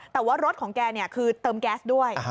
แต่ว่ารถของแกคือเติมแก๊สด้วย